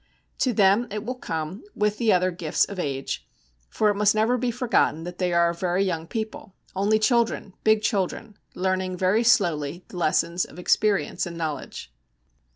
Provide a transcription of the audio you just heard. To them it will come with the other gifts of age, for it must never be forgotten that they are a very young people only children, big children learning very slowly the lessons of experience and knowledge.